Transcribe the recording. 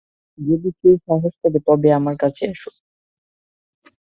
যদি সেই সাহস থাকে, তবেই আমার কাছে এসো।